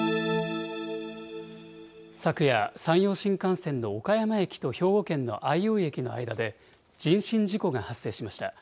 昨夜、山陽新幹線の岡山駅と兵庫県の相生駅の間で、人身事故が発生しました。